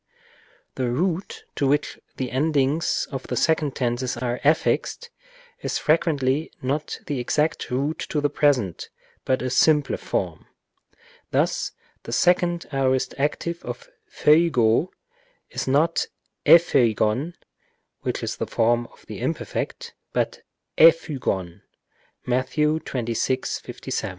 The root to which the endings of the second tenses are affixed is frequently not the exact root of the present, but a simpler form. Thus the second aorist active of φεύγω is not ἔφευγον (which is the form of the imperfect) but ἔφυγον (Matt. xxvi. 56).